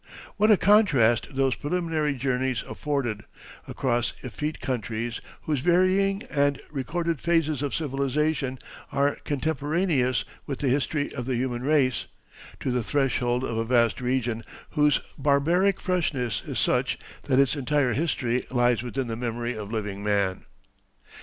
What a contrast those preliminary journeys afforded, across effete countries whose varying and recorded phases of civilization are contemporaneous with the history of the human race, to the threshold of a vast region whose barbaric freshness is such that its entire history lies within the memory of living man.